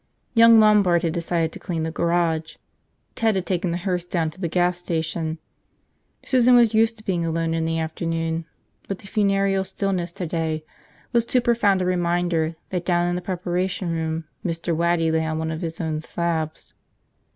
Young Lombard had decided to clean the garage. Ted had taken the hearse down to the gas station. Susan was used to being alone in the afternoons, but the funereal stillness today was too profound a reminder that down in the preparation room Mr. Waddy lay on one of his own slabs.